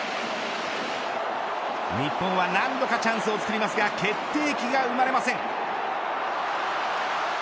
日本は何度かチャンスをつくりますが決定機が生まれません。